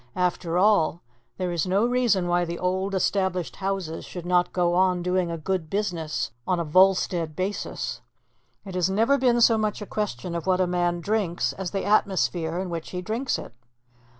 After all, there is no reason why the old established houses should not go on doing a good business on a Volstead basis. It has never been so much a question of what a man drinks as the atmosphere in which he drinks it.